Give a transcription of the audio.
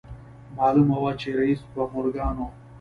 معلومه وه چې رييس به مورګان و.